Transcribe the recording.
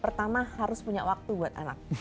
pertama harus punya waktu buat anak